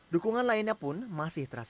dukungan lainnya pun masih terasa